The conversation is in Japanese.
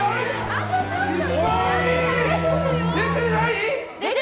出てない？